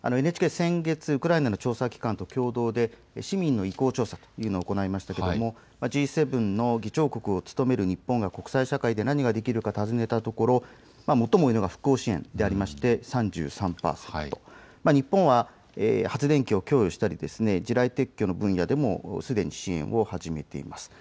ＮＨＫ、先月、ウクライナの調査機関と共同で市民の意向調査というのを行いましたがＧ７の議長国を務める日本が国際社会で何ができるか尋ねたところ最も多いのが復興支援であって３３％、日本は発電機を供与したり地雷撤去の分野でもすでに支援を始めています。